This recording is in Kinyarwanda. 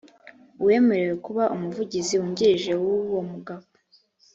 uwemerewe kuba umuvugizi wungirije w uwo mugabo